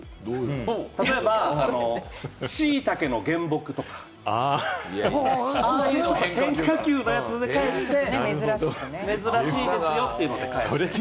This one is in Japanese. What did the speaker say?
例えば、シイタケの原木とか、変化球のやつで返して、珍しいですよっていうので返す。